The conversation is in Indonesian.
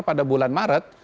pada bulan maret